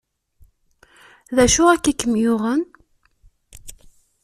D acu akka i kem-yuɣen?